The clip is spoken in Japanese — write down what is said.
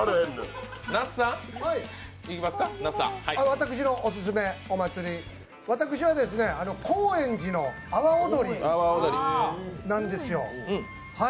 私のオススメのお祭り私は高円寺の阿波踊りなんですよ。